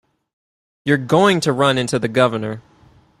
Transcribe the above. You're going to run into the Governor.